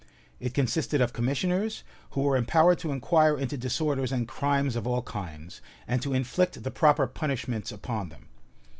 It consisted of commissioners, who were empowered to inquire into disorders and crimes of all kinds, and to inflict the proper punishments upon them.